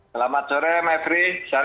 selamat sore mekri